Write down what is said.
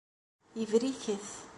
Ibriket.